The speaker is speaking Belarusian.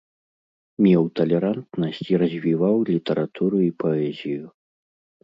Меў талерантнасць і развіваў літаратуру і паэзію.